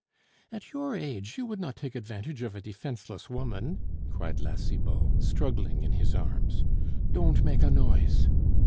"At your age, you would not take advantage of a defenceless woman!" cried La Cibot, struggling in his arms. "Don't make a noise!"